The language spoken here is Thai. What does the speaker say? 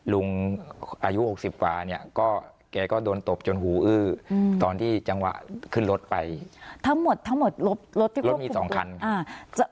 ลุงอายุหกสิบกว่าเนี่ยก็แกก็โดนตบจนหูอื้ออืมตอนที่จังหวะขึ้นรถไปทั้งหมดทั้งหมดรถรถที่คุณรถมีสองคันอ่า